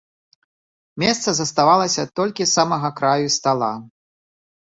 Месца заставалася толькі з самага краю стала.